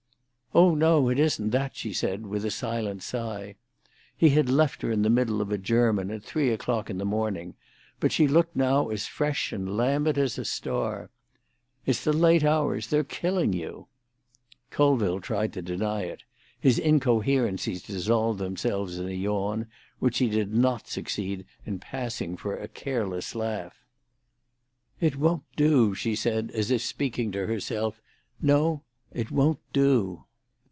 "Oh no; it isn't that," she said, with a slight sigh. He had left her in the middle of a german at three o'clock in the morning, but she now looked as fresh and lambent as a star. "It's the late hours. They're killing you." Colville tried to deny it; his incoherencies dissolved themselves in a yawn, which he did not succeed in passing for a careless laugh. "It won't do," she said, as if speaking to herself; "no, it won't do."